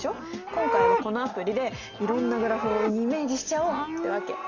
今回はこのアプリでいろんなグラフをイメージしちゃおうってわけ。